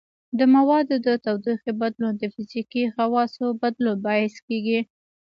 د موادو د تودوخې بدلون د فزیکي خواصو بدلون باعث کیږي.